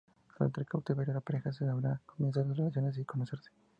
Durante el cautiverio, la pareja se habla; comienzan a relacionarse y conocerse.